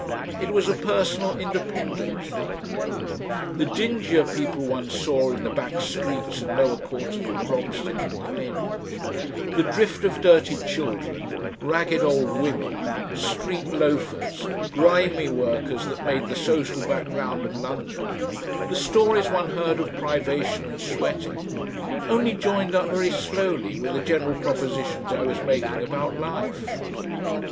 It was a personal independent thing. The dingier people one saw in the back streets and lower quarters of Bromstead and Penge, the drift of dirty children, ragged old women, street loafers, grimy workers that made the social background of London, the stories one heard of privation and sweating, only joined up very slowly with the general propositions I was making about life.